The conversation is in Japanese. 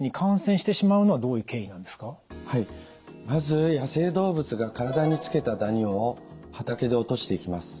まず野生動物が体につけたダニを畑で落としていきます。